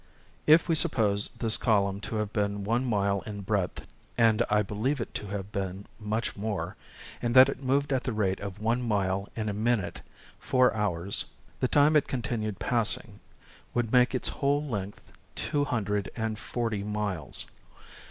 If we suppose this column to have been one mile in breadth (and I believe it to have been much more) and that it moved at the rate of one mile in a minute, four hours, the time it continued passing, would make its whole length two hundred and forty miles.